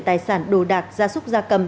tài sản đồ đạc ra súc ra cầm